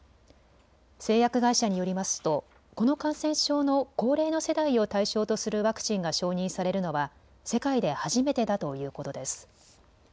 製薬会社によりますとこの感染症の高齢の世代を対象とするワクチンが承認されるのは世界で初めてだということです。